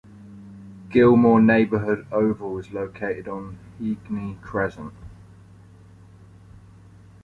Gilmore Neighbourhood Oval is located on Heagney Crescent.